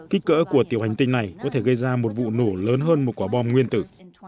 kích cỡ của tiểu hành tinh này có thể gây ra một vụ nổ lớn hơn một quả bom nguyên tử